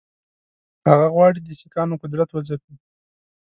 هغه غواړي د سیکهانو قدرت وځپي.